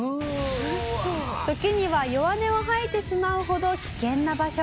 「時には弱音を吐いてしまうほど危険な場所も」